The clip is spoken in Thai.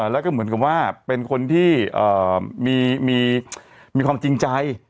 แล้วก็เหมือนกับว่าเป็นคนที่มีความจริงใจ